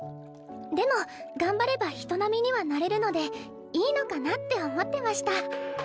でも頑張れば人並みにはなれるのでいいのかなって思ってました。